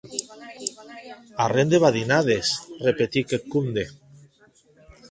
Arren de badinades!, repetic eth comde.